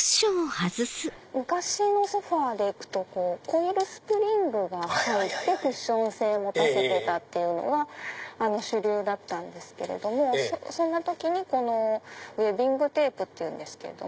昔のソファでいくとコイルスプリングが入ってクッション性を持たせてたのが主流だったんですけれどもそんな時にウェービングテープっていうんですけども。